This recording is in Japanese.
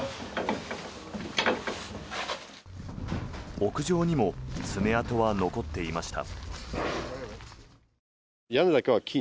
屋上にも爪痕は残っていました。